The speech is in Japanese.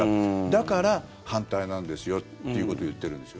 だから反対なんですよっていうことを言ってるんです。